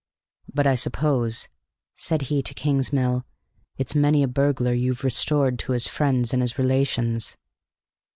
"But, I suppose," said he to Kingsmill, "it's 'many a burglar you've restored to his friends and his relations'?"